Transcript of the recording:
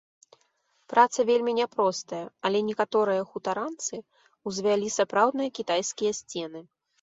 Праца вельмі няпростая, але некаторыя хутаранцы ўзвялі сапраўдныя кітайскія сцены.